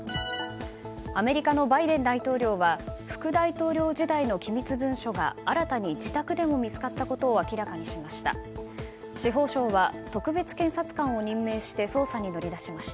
アメリカのバイデン大統領は副大統領時代の機密文書が新たに自宅でも見つかったことを明らかにしました。